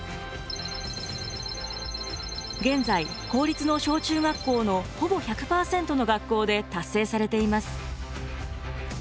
現在公立の小中学校のほぼ１００％の学校で達成されています。